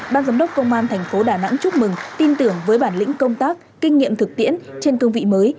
ban giám đốc công an thành phố đà nẵng chúc mừng tin tưởng với bản lĩnh công tác kinh nghiệm thực tiễn trên cương vị mới